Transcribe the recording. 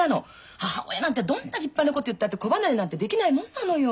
母親なんてどんな立派なこと言ったって子離れなんてできないもんなのよ。